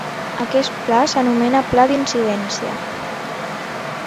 Aquest pla s'anomena pla d'incidència.